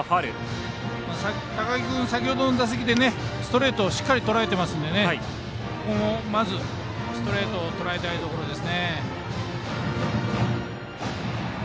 高木君、先ほどの打席でストレートをしっかりとらえてますのでまず、ストレートをとらえたいところですね。